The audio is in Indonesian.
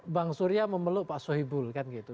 bang surya memeluk pak sohibul kan gitu